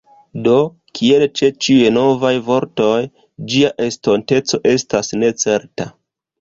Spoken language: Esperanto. Do, kiel ĉe ĉiuj novaj vortoj, ĝia estonteco estas necerta.